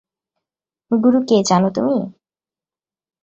গুরু কে জানো তুমি?